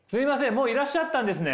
もういらっしゃったんですね！